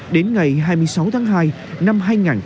đến ngày hai mươi sáu tháng hai năm hai nghìn hai mươi